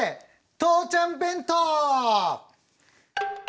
父ちゃん弁当」！